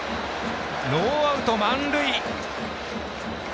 ノーアウト、満塁。